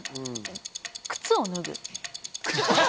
靴を脱ぐ。